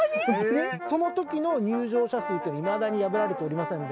そのときの入場者数っていまだに破られておりません。